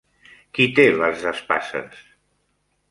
Qui té l'as d'espases?